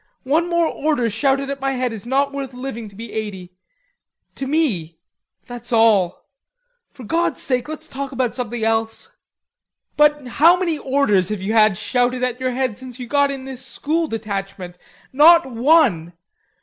One more order shouted at my head is not worth living to be eighty... to me. That's all. For God's sake let's talk about something else." "But how many orders have you had shouted at your head since you got in this School Detachment? Not one.